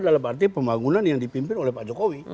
dalam arti pembangunan yang dipimpin oleh pak jokowi